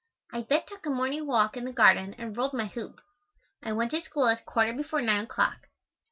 I then took a morning walk in the garden and rolled my hoop. I went to school at quarter before 9 o'clock.